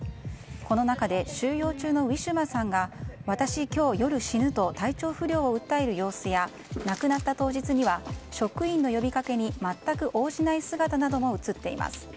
この中で収容中のウィシュマさんが私今日の夜死ぬと体調不良を訴える様子や亡くなった当日には職員の呼びかけに全く応じない姿なども映っています。